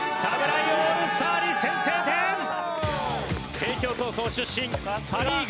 帝京高校出身パ・リーグ